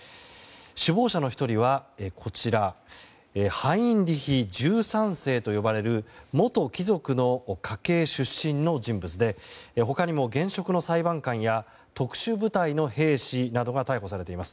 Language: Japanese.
首謀者の１人はこちらハインリヒ１３世と呼ばれる元貴族の家系出身の人物で他にも現職の裁判官や特殊部隊の兵士らが逮捕されています。